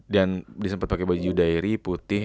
dan dia sempet pakai baju daiery putih